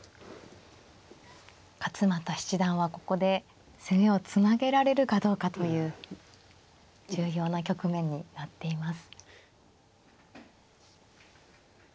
勝又七段はここで攻めをつなげられるかどうかという重要な局面になっています。